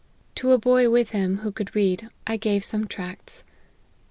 To a boy with him, who could read, I gave some tracts.